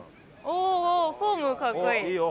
おおおおフォームかっこいい。